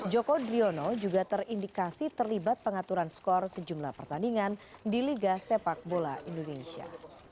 joko driono juga terindikasi terlibat pengaturan skor sejumlah pertandingan di liga sepak bola indonesia